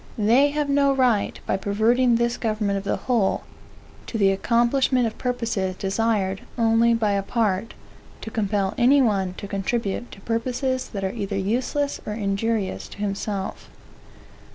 They have no right, by perverting this government of the whole, to the accomplishment of purposes desired only by a part, to compel any one to contribute to purposes that are either useless or injurious to himself.